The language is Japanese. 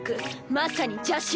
まさに邪神。